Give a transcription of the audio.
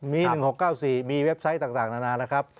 มี๑๖๙๔มีเว็บไซต์ต่างนานาแล้วครับ